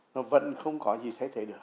nó vẫn không có gì thể thể được